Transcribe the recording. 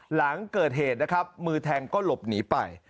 หลังเกิดเหตุนะครับมือแทงก็หลบหนีไป